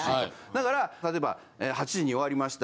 だから例えば８時に終わりました。